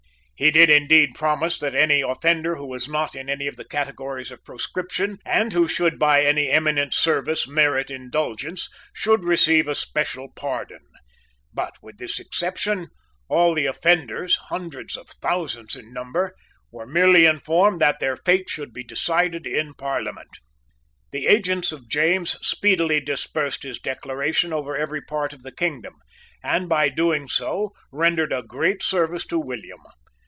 He did indeed promise that any offender who was not in any of the categories of proscription, and who should by any eminent service merit indulgence, should receive a special pardon. But, with this exception, all the offenders, hundreds of thousands in number, were merely informed that their fate should be decided in Parliament. The agents of James speedily dispersed his Declaration over every part of the kingdom, and by doing so rendered a great service to William.